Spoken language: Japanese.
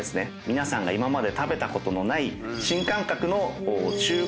皆さんが今まで食べたことのない。